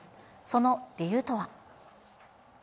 その理由とは。